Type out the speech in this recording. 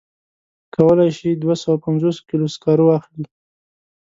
کولای شي دوه سوه پنځوس کیلو سکاره واخلي.